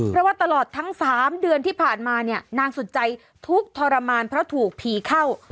เพราะว่าตลอดทั้ง๓เดือนที่ผ่านมาเนี่ยนางสุดใจทุกข์ทรมานเพราะถูกผีเข้า